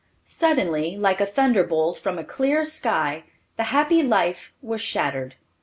Suddenly, like a thunder bolt from a clear sky, the happy life was shattered.